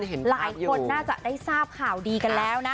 หลายคนน่าจะได้ทราบข่าวดีกันแล้วนะ